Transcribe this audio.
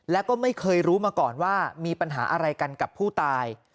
แล้วก็ไม่เคยรู้มาก่อนว่ามีปัญหาอะไรกันกับผู้ตาย